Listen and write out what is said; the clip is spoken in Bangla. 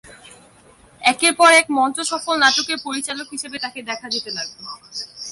একের পর এক মঞ্চ সফল নাটকের পরিচালক হিসেবে তাঁকে দেখা যেতে লাগলো।